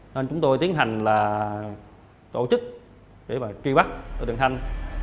nên chúng tôi tiến hành là tổ chức để truy bắt đối tượng thanh